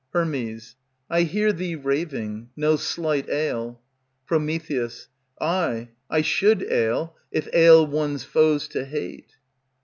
Her. I hear thee raving, no slight ail. Pr. Ay, I should ail, if ail one's foes to hate.